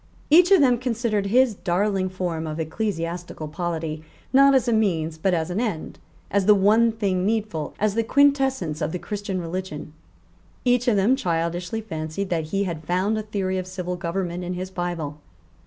Each of them considered his darling form of ecclesiastical polity, not as a means but as an end, as the one thing needful, as the quintessence of the Christian religion. Each of them childishly fancied that he had found a theory of civil government in his Bible.